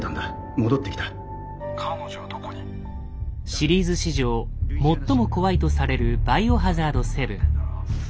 シリーズ史上最も怖いとされる「バイオハザード７」。